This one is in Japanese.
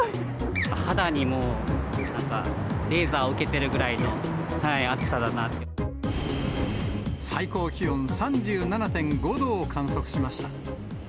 肌にレーザーうけてるぐらい最高気温３７．５度を観測しました。